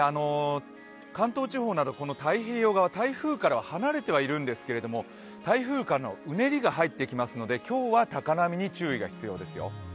関東地方など太平洋側台風からは離れているんですが、台風からのうねりが入ってきますので今日は高波に注意が必要ですよ。